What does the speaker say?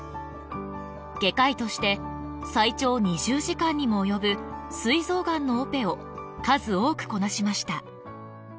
外科医として最長２０時間にも及ぶすい臓がんのオペを数多くこなしました。